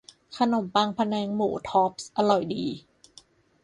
ขนมปังพะแนงหมู ท็อปส์ อร่อยดี